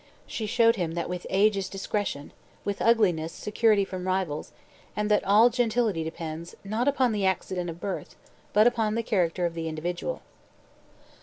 She showed him that with age is discretion, with ugliness security from rivals, and that all true gentility depends, not upon the accident of birth, but upon the character of the individual.